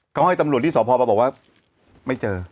ทำหน่วยตำหนูที่สบบบอกว่าไม่เจอ